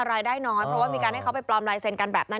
รายได้น้อยเพราะว่ามีการให้เขาไปปลอมลายเซ็นกันแบบนั้น